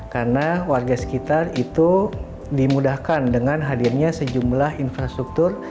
karena warga sekitar itu dimudahkan dengan hadirnya sejumlah infrastruktur